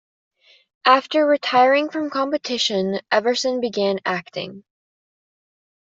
After retiring from competition, Everson began acting.